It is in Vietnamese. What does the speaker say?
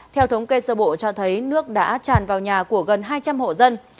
theo thống kê sơ bộ cho thấy nước đã tràn vào nhà của gần hai trăm linh hộ dân